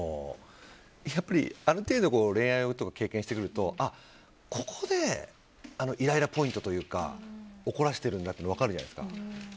やっぱりある程度恋愛とかを経験してくるとここでイライラポイントというか怒らせてるんだというのが分かるじゃないですか。